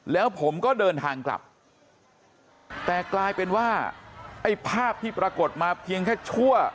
แล้วผมก็เดินทางกลับแต่กลายเป็นว่าไอ้ภาพที่ปรากฏมาเพียงแค่ชั่ว